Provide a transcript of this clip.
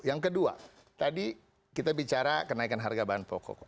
yang kedua tadi kita bicara kenaikan harga bahan pokok